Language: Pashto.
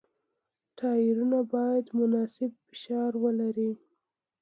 ټایرونه باید مناسب فشار ولري.